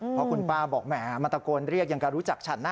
เพราะคุณป้าบอกแหมมันตะโกนเรียกอย่างกับรู้จักฉันนะ